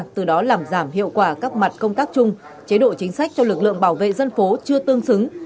từ đó làm giảm hiệu quả các mặt công tác chung chế độ chính sách cho lực lượng bảo vệ dân phố chưa tương xứng